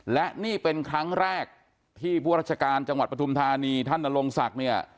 และนี่เป็นครั้งแรกที่ผู้ราชการจังหวัดปฐุมธานีท่านนรงศักดิ์เนี่ย